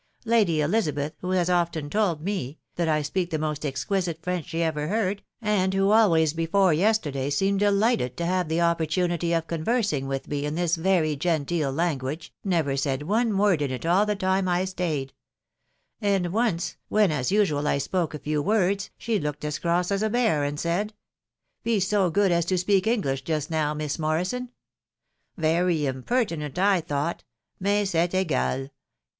Lady Elizabeth, who has often told me that I speak the most exquisite French she ever neard, and who always before yesterday seemed delighted to nave the opportunity of conversing with me in this very gen teel language, never said one word in it all the time I stayed j ( 364 THE WIDOW BARNABY. and once when, as usual, I spoke a few words, she looked as cross as a bear, and said, ' Be so good as to speak English just now, Miss Morrison/ Very impertinent, I thought, may set eh gal.